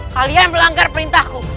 kalian melanggar perintahku